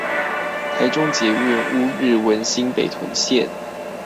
台中捷運烏日文心北屯線